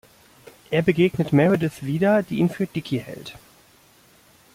Er begegnet Meredith wieder, die ihn für Dickie hält.